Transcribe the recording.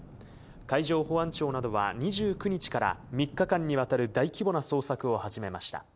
海上保安庁などは２９日から３日間にわたる大規模な捜索を始めました。